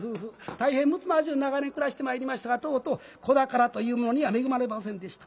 大変むつまじゅう長年暮らしてまいりましたがとうとう子宝というものには恵まれませんでした。